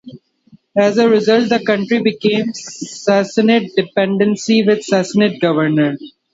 As a result, the country became a Sassanid dependency with a Sassanid governor.